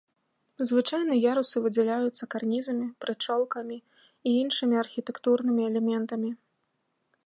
Звычайна ярусы выдзяляюцца карнізамі, прычолкамі і іншымі архітэктурнымі элементамі.